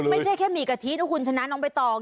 ไม่ใช่แค่หมี่กะทินะคุณชนะน้องใบตอง